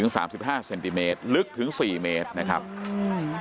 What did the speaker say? สามสิบห้าเซนติเมตรลึกถึงสี่เมตรนะครับอืม